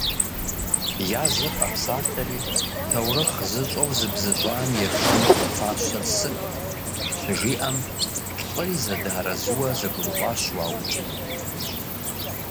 Языр къэпсалъэри «таурыхъ зыщӏэу зыбзыщӏам етщӏэну хуэфащэр сыт?»- щыжиӏэм, плӏыри зэдэарэзыуэ зэгурыӏуащ уаукӏыну.